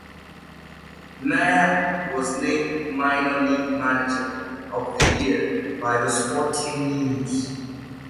Meyer was named Minor League Manager of the Year by The Sporting News.